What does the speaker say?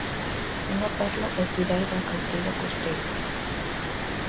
Unha perla a cuidar da canteira costeira.